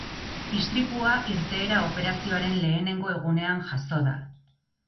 Istripua irteera operazioaren lehenengo egunean jazo da.